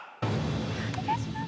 お願いします。